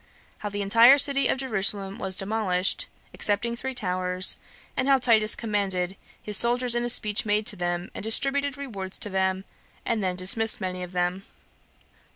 How The Entire City Of Jerusalem Was Demolished, Excepting Three Towers; And How Titus Commended His Soldiers In A Speech Made To Them, And Distributed Rewards To Them And Then Dismissed Many Of Them.